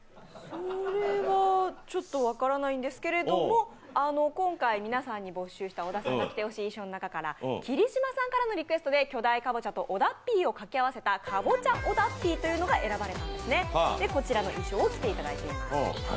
それはちょっと分からないんですけれども、今回皆さんに募集した小田さんに来てほしい衣装からキリシマさんからのリクエストでカボチャと小田ッピーを掛け合わせたかぼちゃ小田ッピーというのが選ばれたんですね、それで、こちらの衣装を着ていただきました。